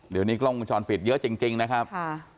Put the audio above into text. เดี๋ยวนี้กล้องวงจรปิดเยอะจริงนะครับ